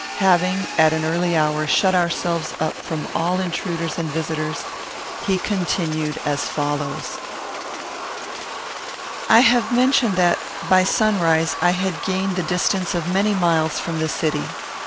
Having, at an early hour, shut ourselves up from all intruders and visitors, he continued as follows. I have mentioned that, by sunrise, I had gained the distance of many miles from the city.